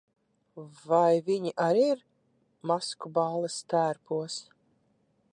Vai viņi arī ir maskuballes tērpos?